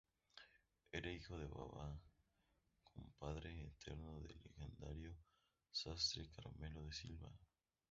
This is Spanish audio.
Era hijo de Babá, compadre eterno del legendario sastre Carmelo da Silva.